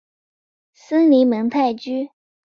森林蒙泰居。